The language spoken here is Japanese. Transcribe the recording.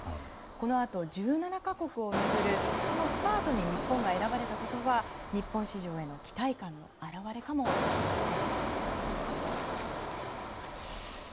このあと１７か国を巡るそのスタートに日本が選ばれたことは日本市場への期待感の表れかもしれません。